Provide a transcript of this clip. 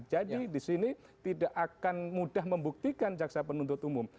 jadi di sini tidak akan mudah membuktikan caksa penuntut umum